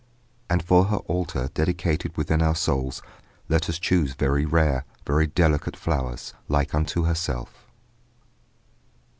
And for her altar, dedicated within our souls, let us choose very rare, very delicate flowers, like unto herself.